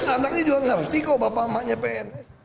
tandaknya juga ngerti kok bapaknya pns